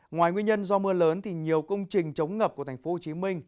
ngoài nguyên nhân do mưa lớn thì nhiều công trình chống ngập của tp hcm